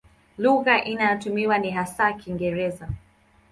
Lugha inayotumiwa ni hasa Kiingereza.